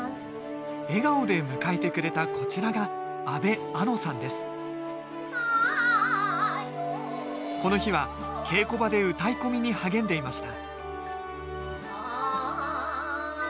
笑顔で迎えてくれたこちらがこの日は稽古場でうたい込みに励んでいました